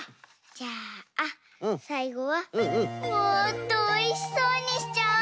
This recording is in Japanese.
じゃあさいごはもっとおいしそうにしちゃおう！